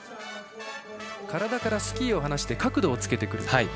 体からスキーを離して角度をつけてくると。